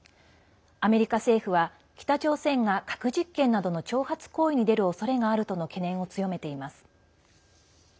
アメリカ政府は北朝鮮が核実験などの挑発行為に出るおそれがあるとの懸念を強めています。